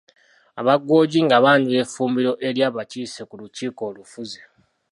Aba Guoji nga banjula effumbiro eri abakiise ku lukiiko olufuzi.